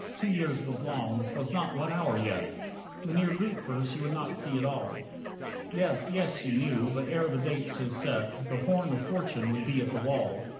Two years was long; 'twas not one hour yet! Mynheer Grootver she would not see at all. Yes, yes, she knew, but ere the date so set, The "Horn of Fortune" would be at the wall.